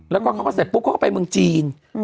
แล้วก็เขาก็เสร็จปุ๊บเขาก็ไปเมืองจีน